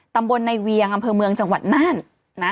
ตำบลในเวียงอำเภอเมืองจังหวัดน่านนะ